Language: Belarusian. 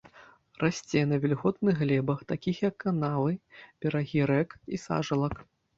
Расце на вільготных глебах, такіх як канавы, берагі рэк і сажалак.